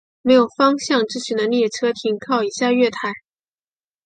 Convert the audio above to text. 没有方向资讯的列车停靠以下月台。